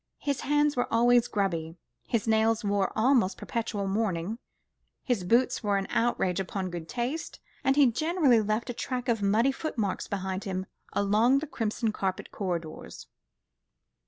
His hands were always grubby, his nails wore almost perpetual mourning, his boots were an outrage upon good taste, and he generally left a track of muddy foot marks behind him along the crimson carpeted corridors.